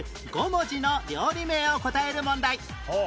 ５文字の料理名を答える問題